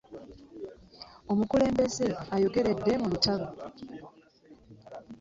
Omukulembeze ayogeredde mu lutalo.